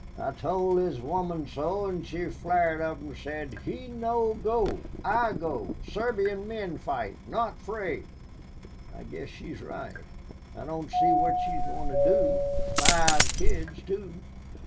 "I told his woman so, and she flared up and said, 'He no go, I go! Serbian men fight not 'fraid.' I guess she's right. I don't see what she is going to do, five kids too."